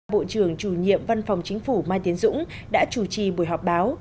bộ trưởng chủ nhiệm văn phòng chính phủ mai tiến dũng đã chủ trì buổi họp báo